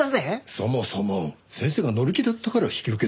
そもそも先生が乗り気だったから引き受けた話だぞ。